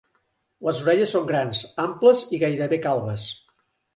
Les orelles són grans, amples i gairebé calbes.